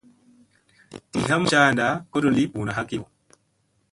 Di ha maŋ caanda kodon lii buuna hakiyo.